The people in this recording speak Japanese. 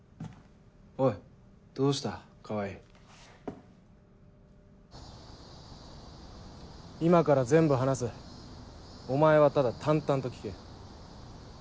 ・おいどうした川合・今から全部話すお前はただ淡々と聞け。